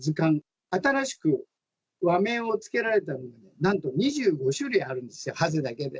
新しく和名を付けられたものがなんと２５種類あるんですよハゼだけで。